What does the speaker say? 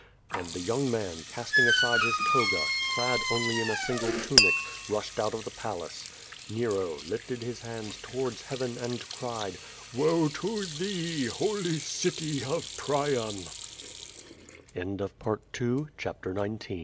And the young man, casting aside his toga, clad only in a single tunic, rushed out of the palace. Nero lifted his hands towards Heaven, and cried: Woe to thee, holy city of Pr